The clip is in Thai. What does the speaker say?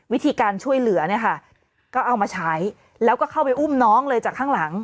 วิธีการช่วยเหลือเนี่ยค่ะก็เอามาใช้แล้วก็เข้าไปอุ้มน้องเลยจากข้างหลัง